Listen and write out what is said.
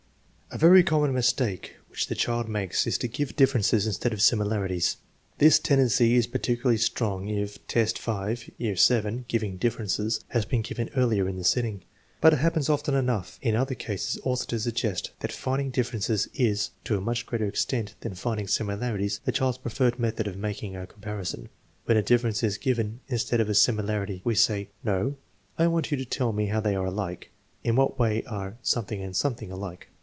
A very common mistake which the child makes is to give differences instead of similarities. This tendency is particu larly strong if test 5, year VII (giving differences), has been given earlier in the sitting, but it happens often enough in other cases also to suggest that finding differences is, to a much greater extent than finding similarities, the child's preferred method of making a comparison. When a dif ference is given, instead of a similarity, we say: "No, I want you to tell me how they are alike. In what way are ... and ... alike